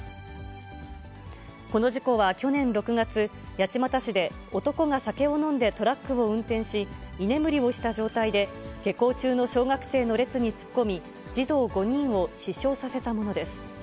この事故は、去年６月、八街市で、男が酒を飲んでトラックを運転し、居眠りをした状態で、下校中の小学生の列に突っ込み、児童５人を死傷させたものです。